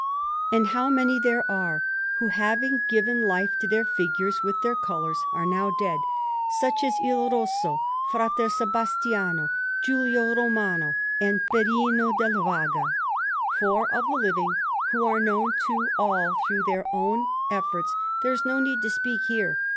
And how many there are who, having given life to their figures with their colours, are now dead, such as Il Rosso, Fra Sebastiano, Giulio Romano, and Perino del Vaga! For of the living, who are known to all through their own efforts, there is no need to speak here.